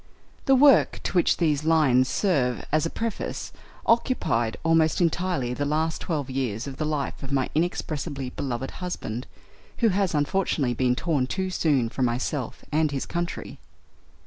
The work to which these lines serve as a preface occupied almost entirely the last twelve years of the life of my inexpressibly beloved husband, who has unfortunately been torn too soon from myself and his country.